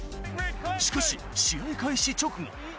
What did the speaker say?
しかし、試合開始直後。